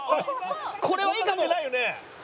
これはいいかも！